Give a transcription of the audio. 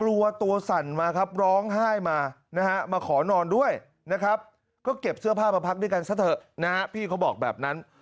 กลัวตัวสั่นมาครับร้องไห้มานะฮะมาขอนอนด้วยนะครับก็เก็บเสื้อผ้ามาพักด้วยกันซะเถอะนะฮะพี่เขาบอกแบบนั้น